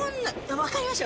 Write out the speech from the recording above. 分かりました。